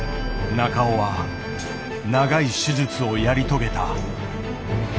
中尾は長い手術をやり遂げた。